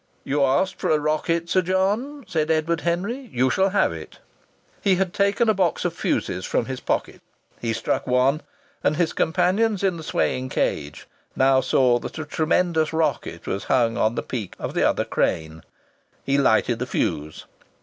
"You asked for a rocket, Sir John," said Edward Henry. "You shall have it." He had taken a box of fusees from his pocket. He struck one, and his companions in the swaying cage now saw that a tremendous rocket was hung to the peak of the other crane. He lighted the fuse....